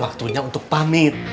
waktunya untuk pamit